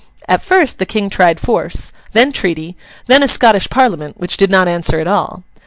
At first the King tried force, then treaty, then a Scottish Parliament which did not answer at all.